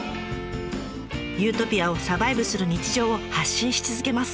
ユートピアをサバイブする日常を発信し続けます。